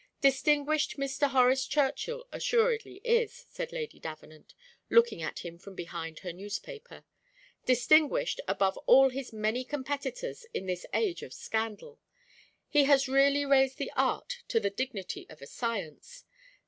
"Distinguished Mr. Horace Churchill assuredly is," said Lady Davenant, looking at him from behind her newspaper. "Distinguished above all his many competitors in this age of scandal; he has really raised the art to the dignity of a science.